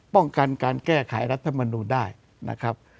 ป้องกันการแก้ไขรัฐมนูลได้นะครับ